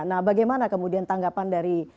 nah bagaimana kemudian tanggapan dari